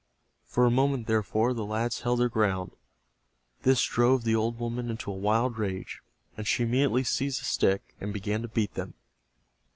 For a moment, therefore, the lads held their ground. This drove the old woman into a wild rage, and she immediately seized a stick and began to beat them.